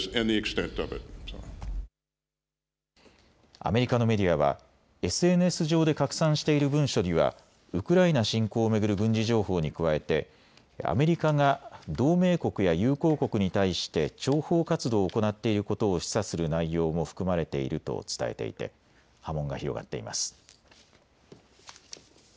アメリカのメディアはＳＮＳ上で拡散している文書にはウクライナ侵攻を巡る軍事情報に加えてアメリカが同盟国や友好国に対して諜報活動を行っていることを示唆する内容も含まれていると伝えていて波紋が広がっています。